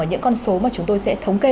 những con số mà chúng tôi sẽ thống kê